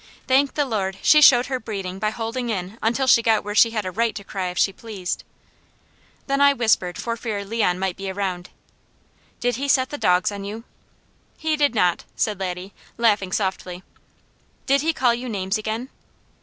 Thank the Lord, she showed her breeding by holding in until she got where she had a right to cry if she pleased." Then I whispered for fear Leon might be around: "Did he set the dogs on you?" "He did not," said Laddie, laughing softly. "Did he call you names again?"